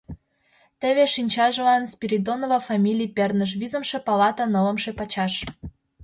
Теве шинчажлан Спиридонова фамилий перныш: визымше палата, нылымше пачаш.